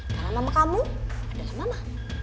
karena mama kamu adalah mama